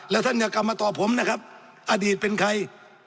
แล้วท่านอย่ากลับมาตอบผมนะครับอดีตเป็นใคร